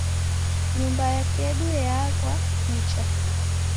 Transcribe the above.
Nyumba yakedu yeaghwa nicha